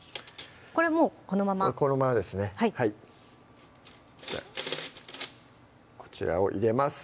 これもうこのままこのままですねこちらを入れます